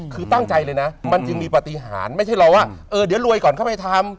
คือตั้งใจเลยนะมันจึงมีปฏิหารไม่ใช่รอว่าเออเดี๋ยวรวยก่อนเข้าไปทำ